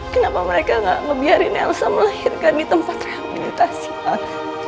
kenapa mereka gak ngebiarin elsa melahirkan di tempat rehabilitasi